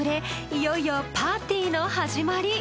いよいよパーティーの始まり。